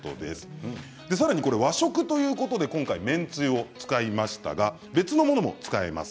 さらに、和食ということで麺つゆを今回、使いましたが別のものも使えます。